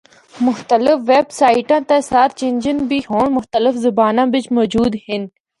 مختلف ویپ سائٹاں تے سرچ انجن بھی ہونڑ مختلف زباناں بچ موجود ہن۔